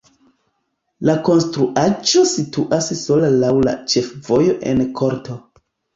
La konstruaĵo situas sola laŭ la ĉefvojo en korto.